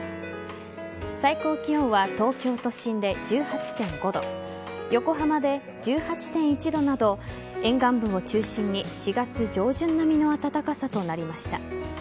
最高気温は東京都心で１８．５度横浜で１８．１度など沿岸部を中心に４月上旬並みの暖かさとなりました。